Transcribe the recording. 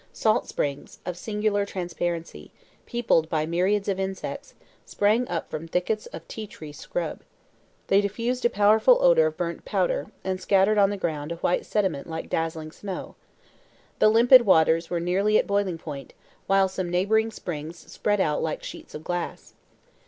Salt springs, of singular transparency, peopled by myriads of insects, sprang up from thickets of tea tree scrub. They diffused a powerful odor of burnt powder, and scattered on the ground a white sediment like dazzling snow. The limpid waters were nearly at boiling point, while some neighboring springs spread out like sheets of glass.